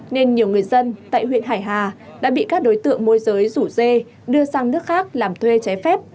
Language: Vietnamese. nên nhiều người dân tại huyện hải hà đã bị các đối tượng môi giới rủ dê đưa sang nước khác làm thuê trái phép